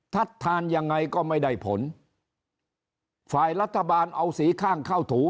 ทานยังไงก็ไม่ได้ผลฝ่ายรัฐบาลเอาสีข้างเข้าถู